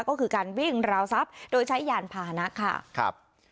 ก็คือการวิ่งราวทรัพย์โดยใช้ยานผ่านนะคะ